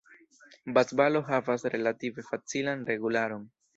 Basbalo havas relative facilan regularon.